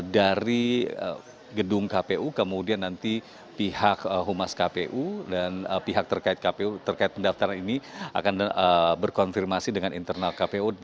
dari gedung kpu kemudian nanti pihak humas kpu dan pihak terkait kpu terkait pendaftaran ini akan berkonfirmasi dengan internal kpu